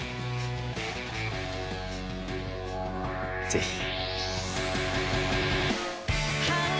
ぜひ。